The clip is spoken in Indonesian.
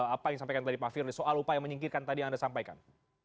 apa yang disampaikan tadi pak firly soal upaya menyingkirkan tadi yang anda sampaikan